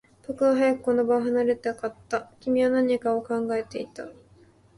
僕は早くこの場を離れたかった。君は何かを考えていた。